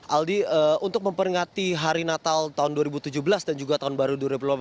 aldi untuk memperingati hari natal tahun dua ribu tujuh belas dan juga tahun baru dua ribu delapan belas